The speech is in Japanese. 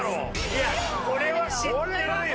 いやこれは知ってるよ。